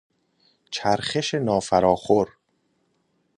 چرخش نافراخور